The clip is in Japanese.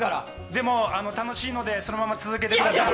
でも楽しいのでそのまま続けてください。